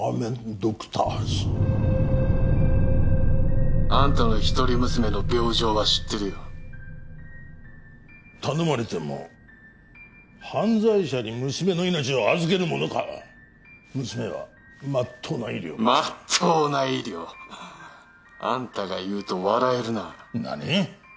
ドクターズあんたの一人娘の病状は知ってるよ頼まれても犯罪者に娘の命を預けるものか娘はまっとうな医療でまっとうな医療あんたが言うと笑えるな何！？